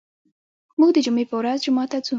موږ د جمعې په ورځ جومات ته ځو.